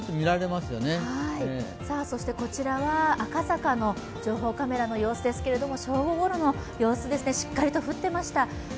こちらは赤坂の情報カメラの様子ですけれども正午ごろの様子ですね、しっかりと降っていました。